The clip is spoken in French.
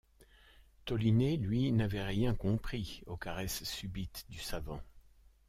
Toliné, lui, n’avait rien compris aux caresses subites du savant.